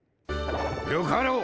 よかろう。